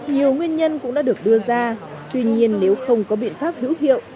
nhiều nguyên nhân cũng đã được đưa ra tuy nhiên nếu không có biện pháp hữu hiệu